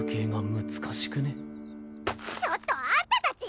ちょっとあんたたち！